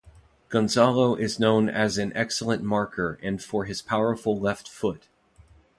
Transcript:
Gonzalo is known as an excellent marker and for his powerful left foot.